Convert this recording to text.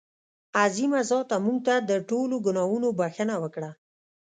عظیمه ذاته مونږ ته د ټولو ګناهونو بښنه وکړه.